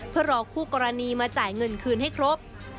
เพื่อรอคู่กรณีมาจ่ายเงินคืนให้ครบ